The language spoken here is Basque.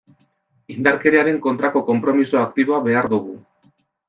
Indarkeriaren kontrako konpromiso aktiboa behar dugu.